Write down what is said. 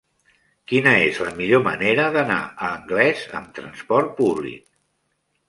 Quina és la millor manera d'anar a Anglès amb trasport públic?